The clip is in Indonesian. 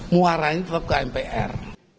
muaranya tetap ke mpr